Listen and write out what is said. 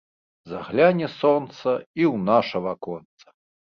Загляне сонца i ў наша ваконца